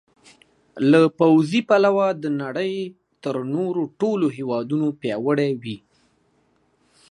له پوځي پلوه د نړۍ تر نورو ټولو هېوادونو پیاوړي وي.